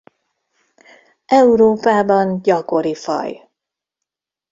Európában gyakori faj.